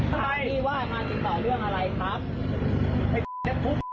ทำไมละมึงมีปัญหาหรอ